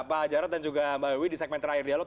pak jarod dan juga mbak wiwi di segmen terakhir dialog